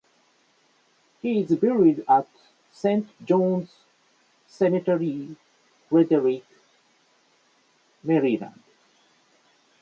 He is buried at Saint John's Cemetery, Frederick, Maryland.